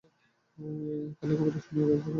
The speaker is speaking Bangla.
কাল এই খবরটা শুনিয়া রাত্রে আমি ঘুমাইতে পারি নাই।